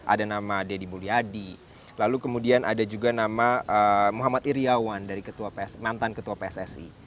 ada nama deddy mulyadi lalu kemudian ada juga nama muhammad iryawan dari mantan ketua pssi